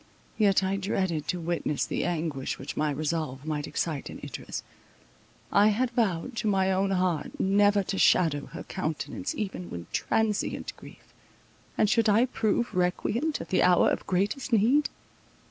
Yet I dreaded to witness the anguish which my resolve might excite in Idris. I had vowed to my own heart never to shadow her countenance even with transient grief, and should I prove recreant at the hour of greatest need?